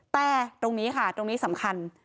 แต่ตรงนี้ค่ะตรงนี้สำคัญ